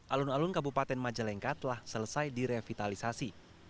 alun alun kabupaten majalengka telah selesai direvitalisasi